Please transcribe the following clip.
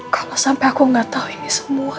kalo sampe aku gak tau ini semua